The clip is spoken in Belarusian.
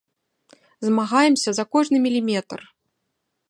Змагаемся за кожны міліметр.